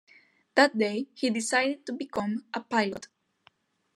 That day, he decided to become a pilot.